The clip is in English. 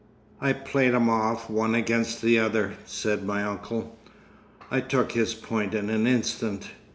"I played 'em off one against the other," said my uncle. I took his point in an instant.